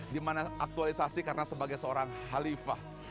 dimana aktualisasi karena sebagai seorang halifah